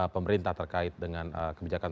pemerintah terkait dengan kebijakan